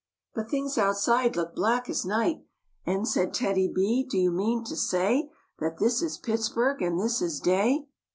But things outside looked black as night And said TEDDY B, "Do you mean to say That this is Pittsburg and this is day?"